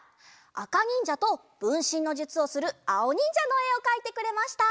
あかにんじゃとぶんしんのじゅつをするあおにんじゃのえをかいてくれました。